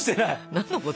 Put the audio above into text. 何のこと？